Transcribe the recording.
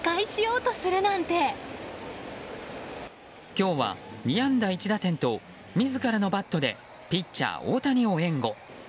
今日は２安打１打点と自らのバットでピッチャー大谷を援護。